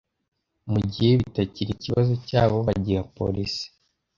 mugihe bitakiri ikibazo cyabo bagiha police